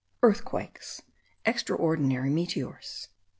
EARTHQUAKES. EXTRAORDINARY METEORS.